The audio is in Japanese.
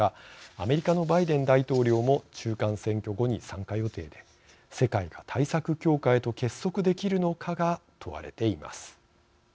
アメリカのバイデン大統領も中間選挙後に参加予定で世界が対策強化へと結束できるのかが問われています。